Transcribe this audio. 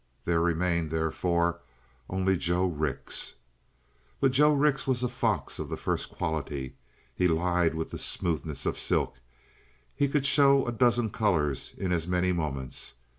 There remained, therefore, only Joe Rix. But Joe Rix was a fox of the first quality. He lied with the smoothness of silk. He could show a dozen colors in as many moments.